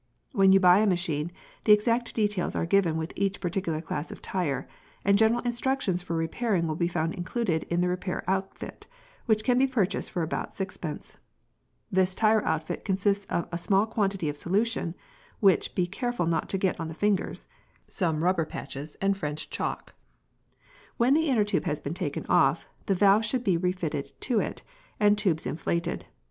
When you buy a machine, the exact details are given with each particular class of tyre, and general instructions for repairing will be found included in the repair outfit, which can be purchased for about sixpence. This tyre outfit consists of a small quantity of solution—which becareful not to get on the fingers—some rubber patches, and French chalk. When the inner tube has been taken off, the valve should be refitted to it, and the tubes inflated.